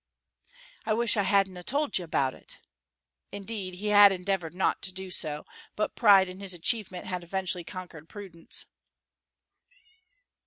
"I wish I hadna told you about it!" Indeed, he had endeavored not to do so, but pride in his achievement had eventually conquered prudence.